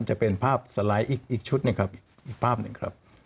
จะเป็นภาพสไลด์อีกชุดหนึ่งครับอีกภาพหนึ่งครับ